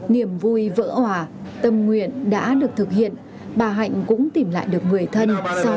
niềm vui vỡ hỏa tâm nguyện đã được thực hiện bà hạnh cũng tìm lại được người thân